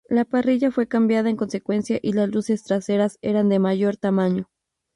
La parrilla fue cambiada en consecuencia y las luces traseras eran de mayor tamaño.